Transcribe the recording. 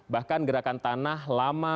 bahkan gerakan tanah lama